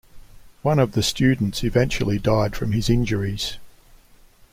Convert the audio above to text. One of the students eventually died from his injuries.